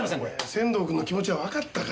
仙堂君の気持ちはわかったから。